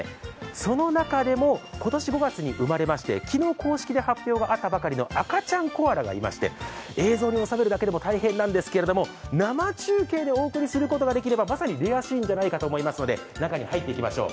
その中でも今年５月に生まれまして、昨日公式で発表があったばかりの赤ちゃんコアラがいまして、映像に収めるだけでも大変なんですけれども、生中継でお送りすることができればまさにレアシーンではないかと思いますので中に入っていきましょう。